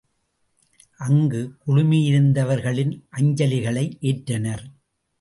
அங்கு குழுமியிருந்தவர்களின் அஞ்சலிகளை ஏற்றனர்.